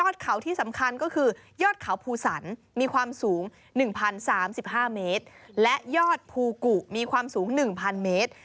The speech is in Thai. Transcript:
สามสิบห้าเมตรและยอดภูกุมีความสูงหนึ่งพันเมตร